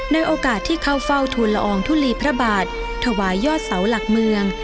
ในโอกาสที่เข้าเฝ้าทุนละอองทุลีพระบาทถวายยอดเสาหลักเมือง